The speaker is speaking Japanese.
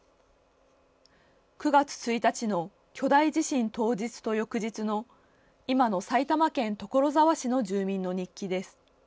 ９月１日の巨大地震当日と翌日の今の埼玉県所沢市の住民の日記です。